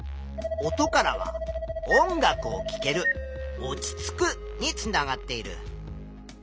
「音」からは「音楽をきける」「おちつく」につながっている。